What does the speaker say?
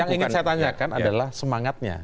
yang ingin saya tanyakan adalah semangatnya